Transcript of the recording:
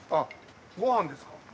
ご飯ですか？